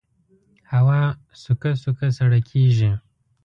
هوا سوکه سوکه سړه کېږي